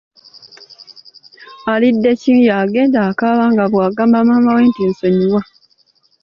Aliddeki yagenda akaaba nga bwagamba maama we nti “nsonyiwa.”